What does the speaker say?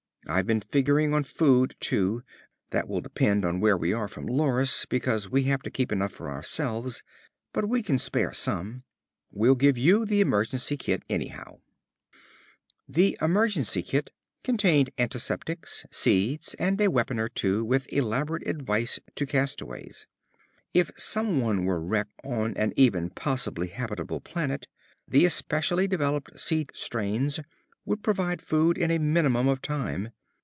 I've been figuring on food, too. That will depend on where we are from Loris because we have to keep enough for ourselves. But we can spare some. We'll give you the emergency kit, anyhow." The emergency kit contained antiseptics, seeds, and a weapon or two, with elaborate advice to castaways. If somebody were wrecked on an even possibly habitable planet, the especially developed seed strains would provide food in a minimum of time.